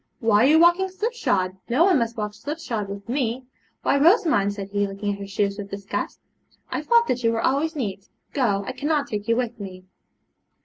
'Why are you walking slipshod? no one must walk slipshod with me. Why, Rosamond,' said he, looking at her shoes with disgust, 'I thought that you were always neat. Go; I cannot take you with me.'